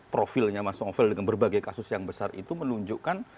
profilnya mas novel dengan berbagai kasus yang besar itu menunjukkan